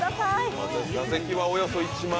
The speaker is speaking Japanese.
座席はおよそ１万。